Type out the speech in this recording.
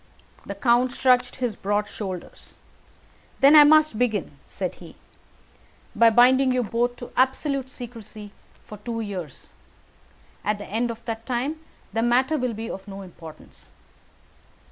The count shrugged his broad shoulders. "Then I must begin," said he, "by binding you both to absolute secrecy for two years; at the end of that time the matter will be of no importance.